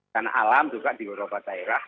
dan alam juga di eropa daerah